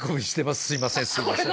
すいませんすいません。